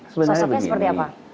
sosoknya seperti apa